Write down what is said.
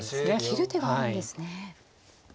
切る手があるんですね。